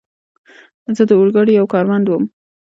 زه د اورګاډي یو کارمند ووم.